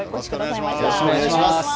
よろしくお願いします。